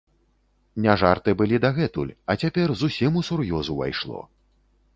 Не жарты былі дагэтуль, а цяпер зусім усур'ёз увайшло.